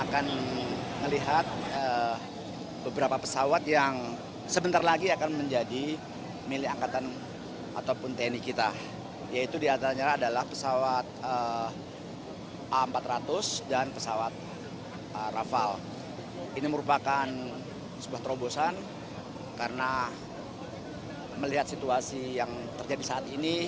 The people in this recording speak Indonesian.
karena melihat situasi yang terjadi saat ini